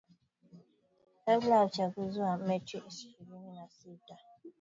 kabla ya uchaguzi wa machi ishirini na sita kujaza viti ambavyo vimeachwa wazi